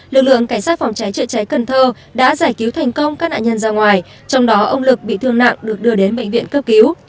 lực lượng cảnh sát phòng cháy chữa cháy cần thơ đã giải cứu thành công các nạn nhân ra ngoài trong đó ông lực bị thương nặng được đưa đến bệnh viện cấp cứu